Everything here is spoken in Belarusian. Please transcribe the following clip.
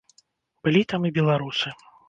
Былі там і беларусы.